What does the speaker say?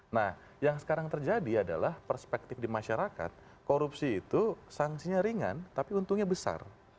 nah yang sekarang terjadi adalah perspektif di masyarakat korupsi itu sanksinya ringan tapi untungnya besar